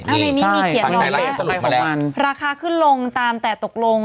อันนี้มีเขียนมาแล้วราคาขึ้นลงตามแต่ตกลง